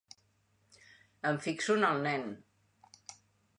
Em fixo en el nen.